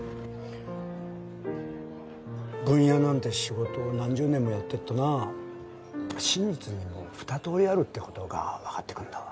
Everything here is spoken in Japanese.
ブン屋なんて仕事を何十年もやってるとな真実にも２通りあるって事がわかってくるんだわ。